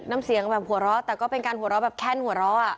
น้ำเสียงแบบหัวร้อแต่ก็เป็นการหัวร้อแบบแค่นหัวร้อ